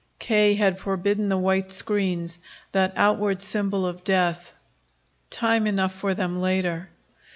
K. had forbidden the white screens, that outward symbol of death. Time enough for them later.